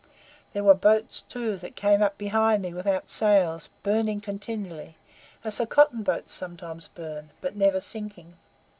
There were boats, too, that came up behind me without sails, burning continually, as the cotton boats sometimes burn, but never sinking."